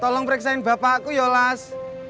tolong periksain bapakku ya las